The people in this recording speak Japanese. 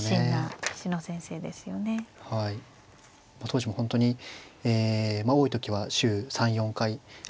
当時も本当にえ多い時は週３４回あの。